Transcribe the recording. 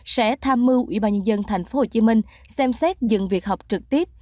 sẽ tham mưu ủy ban nhân dân thành phố hồ chí minh xem xét dừng việc học trực tiếp